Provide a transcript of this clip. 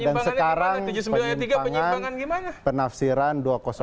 dan sekarang penyimpangan penafsiran dua ratus enam